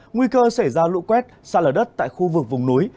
nguy cơ xảy ra lũ quét xa lở đất tại khu vực vùng núi